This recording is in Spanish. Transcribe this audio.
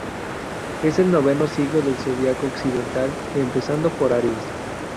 Es el noveno signo del zodíaco occidental, empezando por Aries.